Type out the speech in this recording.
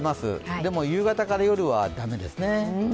でも、夕方から夜は駄目ですね。